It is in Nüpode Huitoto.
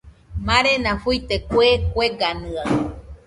Marena fuite kue kueganɨaɨ